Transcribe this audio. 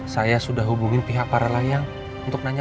saya sudah hubungi pihak para layang untuk nanya